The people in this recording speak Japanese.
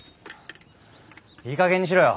いいかげんにしろよ。